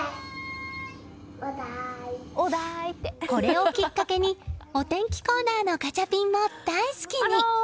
これをきっかけにお天気コーナーのガチャピンも大好きに。